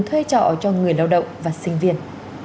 thuê trọ cho người lao động và sinh viên